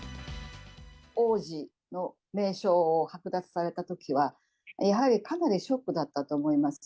王子の名称を剥奪されたときは、やはりかなりショックだったと思います。